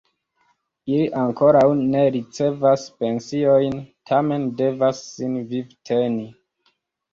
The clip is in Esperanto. Ili ankoraŭ ne ricevas pensiojn tamen devas sin vivteni.